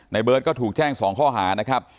เบิร์ตก็ถูกแจ้ง๒ข้อหานะครับ